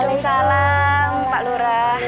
waalaikumsalam pak lurah